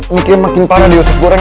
makin makin parah di hoses goreng